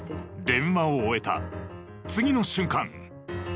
電話を終えた次の瞬間。